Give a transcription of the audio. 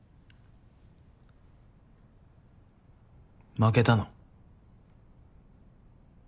負けたの？